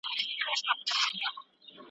چي هر څه تلاښ کوې نه به ټولیږي ,